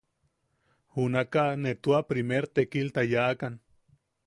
Junaka ne tua primer tekilta yaʼakan;.